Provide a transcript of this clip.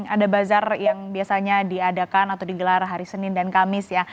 ada bazar yang biasanya diadakan atau digelar hari senin dan kamis ya